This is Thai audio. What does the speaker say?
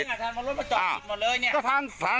ตรงนี้นน่ะท่านเอารถปิดมาเราเลย